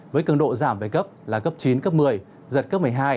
với cường độ giảm về cấp là cấp chín cấp một mươi giật cấp một mươi hai